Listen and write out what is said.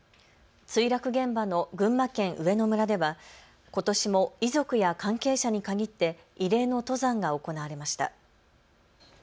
墜落現場の群馬県上野村ではことしも遺族や関係者に限って慰霊の登山が行われました。